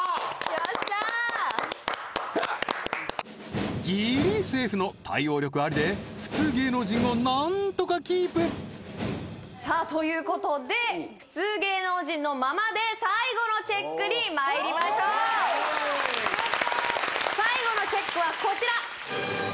よっしゃーギリセーフの対応力アリで普通芸能人をなんとかキープさあということで普通芸能人のままで最後のチェックにまいりましょう最後のチェックはこちら